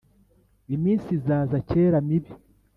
iminsi izaza kera mibi